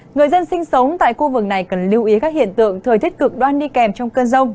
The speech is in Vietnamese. người dân sinh sống tại khu vực này cần lưu ý các hiện tượng thời tiết cực đoan đi kèm trong cơn rông